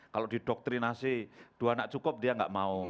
kalau didoktrinasi dua anak cukup dia nggak mau